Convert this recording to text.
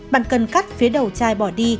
bạn cần cắt phía đầu chai bỏ đi